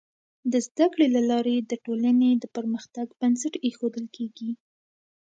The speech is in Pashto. د زده کړې له لارې د ټولنې د پرمختګ بنسټ ایښودل کيږي.